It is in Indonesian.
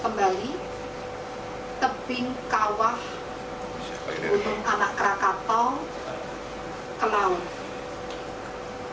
kembali tebing kawah bumung anak krakatau ke laut